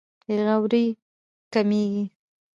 بې غوري کمېږي.